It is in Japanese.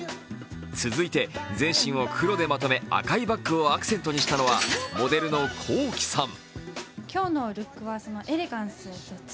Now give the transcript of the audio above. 続いて全身を黒でまとめ赤いバッグをアクセントにしたのはモデルのＫｏｋｉ，さん。